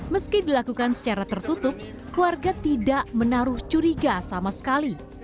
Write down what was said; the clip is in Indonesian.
meski dilakukan secara tertutup warga tidak menaruh curiga sama sekali